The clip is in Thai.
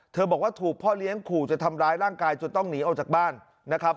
บอกว่าถูกพ่อเลี้ยงขู่จะทำร้ายร่างกายจนต้องหนีออกจากบ้านนะครับ